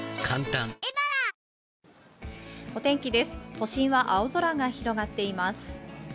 都心は青空が広がっています。